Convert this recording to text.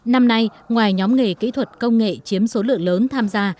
năm nay ngoài nhóm nghề kỹ thuật công nghệ chiếm số lượng lớn tham gia